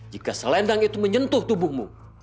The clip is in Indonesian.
jika selendang itu menyentuh tubuhmu